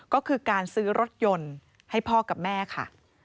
ก็คือการซื้อรถยนต์ให้พ่อกับแม่ค่ะ